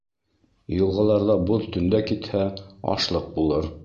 Йылғаларҙа боҙ төндә китһә, ашлыҡ булыр.